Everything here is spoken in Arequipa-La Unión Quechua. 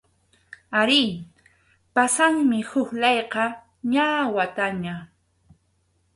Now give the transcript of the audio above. Arí, pasanmi huk layqa, ña wataña.